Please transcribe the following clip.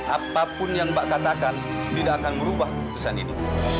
apapun yang mbak katakan tidak akan merubah keputusan ini